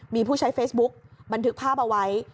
มีผู้ใช้เฟซบุ๊กบันทึกภาพเอาไว้